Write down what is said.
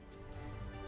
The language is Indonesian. dan ini adalah kembali